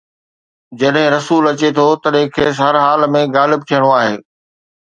جڏهن رسول اچي ٿو، تڏهن کيس هر حال ۾ غالب ٿيڻو آهي.